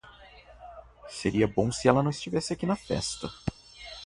Seria bom se ela não estivesse aqui na festa!